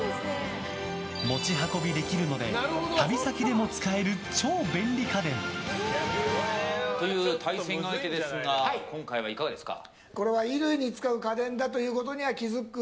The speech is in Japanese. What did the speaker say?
持ち運びできるので旅先でも使える超便利家電。という対戦相手ですが今回はいかがですか？